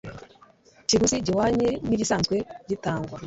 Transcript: kiguzi gihwanye n igisanzwe gitangwa